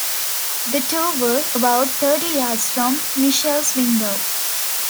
The two were about thirty yards from Mitchell's window.